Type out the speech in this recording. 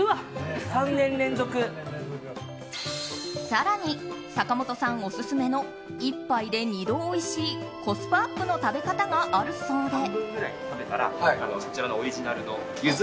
更に、坂本さんオススメの１杯で２度おいしいコスパアップの食べ方があるそうで。